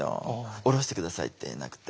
「降ろして下さい」って言えなくて。